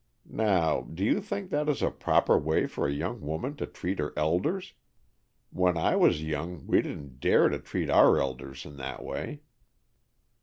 Now, do you think that is a proper way for a young woman to treat her elders? When I was young, we didn't dare to treat our elders in that way."